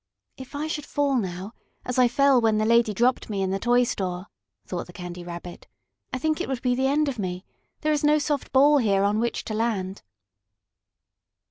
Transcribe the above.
"If I should fall now, as I fell when the lady dropped me in the toy store," thought the Candy Rabbit, "I think it would be the end of me. There is no soft rubber ball here on which to land."